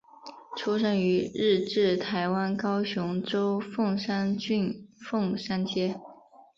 出生于日治台湾高雄州凤山郡凤山街。